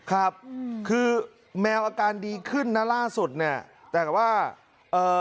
ครับคือแมวอาการดีขึ้นนะล่าสุดเนี่ยแต่ว่าเอ่อ